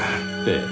ええ。